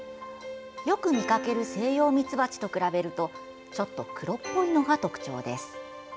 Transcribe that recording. よく見かけるセイヨウミツバチと比べるとちょっと黒っぽいのが特徴です。